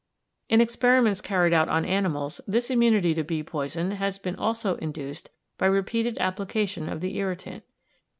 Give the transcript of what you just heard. In experiments carried out on animals this immunity to bee poison has been also induced by repeated application of the irritant.